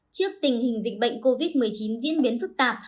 trước tình hình dịch bệnh covid một mươi chín diễn biến phức tạp